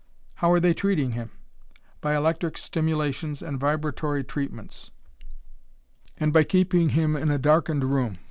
"How are they treating him?" "By electric stimulations and vibratory treatments and by keeping him in a darkened room.